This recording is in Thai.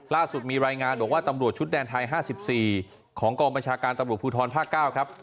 ล่าสุดมีรายงานบอกว่าตำรวจชุดแดนไทย๕๔ของกองบัญชาการตำรวจภูทรภาค๙ครับ